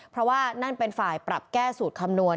เพราะว่านั่นเป็นฝ่ายปรับแก้สูตรคำนวณ